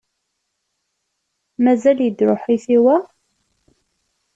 Mazal yedder uḥitaw-a?